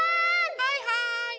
はいはい。